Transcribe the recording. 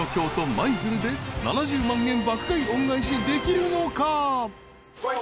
舞鶴で７０万円爆買い恩返しできるのか？］